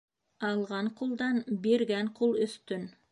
Алған ҡулдан биргән ҡул өҫтөн.